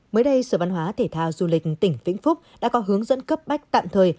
mới đây sở văn hóa thể thao du lịch tỉnh vĩnh phúc đã có hướng dẫn cấp bách tạm thời